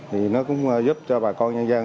thì nó cũng giúp cho bà con nhân dân